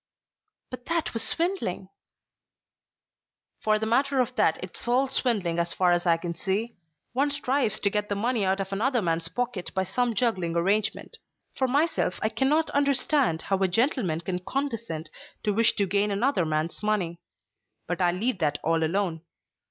"But that was swindling." "For the matter of that it's all swindling as far as I can see. One strives to get the money out of another man's pocket by some juggling arrangement. For myself I cannot understand how a gentleman can condescend to wish to gain another man's money. But I leave that all alone.